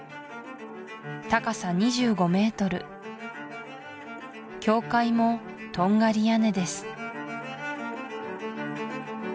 高さ２５メートル教会もトンガリ屋根です